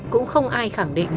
cũng không ai khẳng định